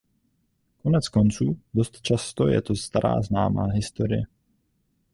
Koneckonců dost často je to stará známá historie.